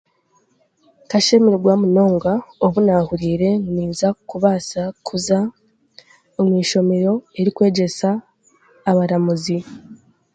Nkashemererwa munonga obu naahuriire ngu ninza kubasa kuza omu ishomero erikwegyesa abaramuzi.